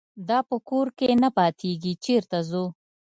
دا په کور کې نه پاتېږي چېرته ځو.